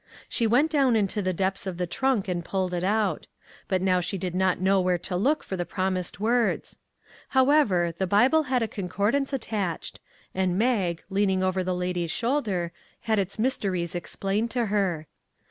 She went down into the deptks of the trunk and pulled it out. But now she did not know where to look for the promised words. However, the Bible had a concordance attached, and Mag, leaning over the lady's shoulder, had its mysteries explained to her.